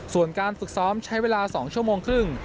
ส่วนการฝึกซ้อมใช้เวลา๒ชั่วโมงครึ่ง